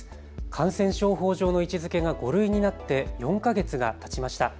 感染症法上の位置づけが５類になって４か月がたちました。